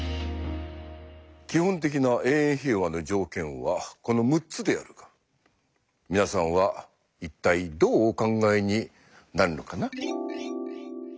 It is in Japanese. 基本的な永遠平和の条件はこの６つであるが皆さんは一体どうお考えになるのかな？